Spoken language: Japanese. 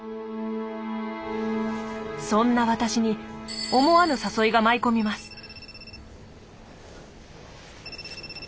そんな私に思わぬ誘いが舞い込みます。